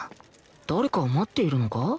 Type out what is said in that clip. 誰かを待っているのか？